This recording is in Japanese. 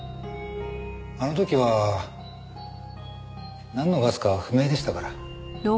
あの時はなんのガスか不明でしたから。